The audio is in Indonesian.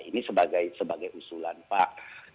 ini sebagai usulan pak